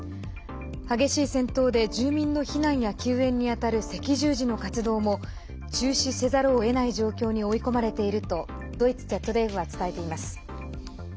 激しい戦闘で住民の避難や救援に当たる赤十字の活動も中止せざるをえない状況に追い込まれているとドイツＺＤＦは伝えています。